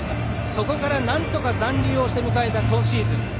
そこからなんとか残留をして迎えた今シーズン。